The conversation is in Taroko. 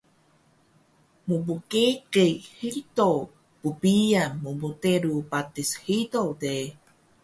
Mpgeqi hido bbiyan mmteru patis hido de